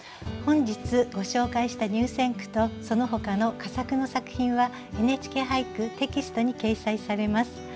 本日ご紹介した入選句とそのほかの佳作の作品は「ＮＨＫ俳句」テキストに掲載されます。